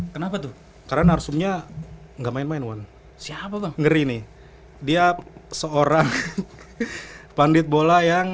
kenapa tuh karena narsumnya enggak main main one siapa tuh ngeri nih dia seorang pandit bola yang